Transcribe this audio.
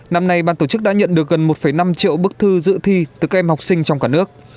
năm nay ban tổ chức đã nhận được gần một năm triệu bức thư dự thi từ các em học sinh trong cả nước